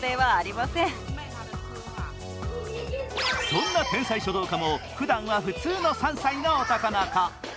そんな天才書道家も、ふだんは普通の３歳の男の子。